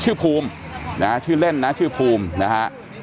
ชื่อภูมินะฮะชื่อเล่นนะชื่อภูมินะฮะ